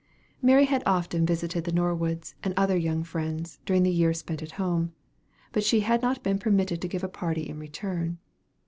Mary had often visited the Norwoods and other young friends, during the year spent at home; but she had not been permitted to give a party in return.